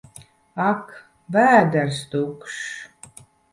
Ak! Vēders tukšs!